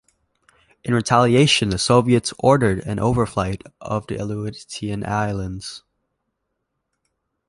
In retaliation the Soviets ordered an overflight of the Aleutian Islands.